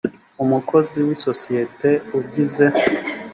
umukozi w isosiyete ugize